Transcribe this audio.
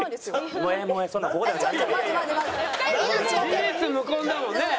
事実無根だもんね！